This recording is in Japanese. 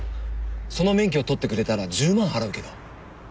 その免許を取ってくれたら１０万払うけど。